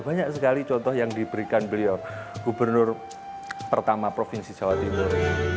banyak sekali contoh yang diberikan beliau gubernur pertama provinsi jawa timur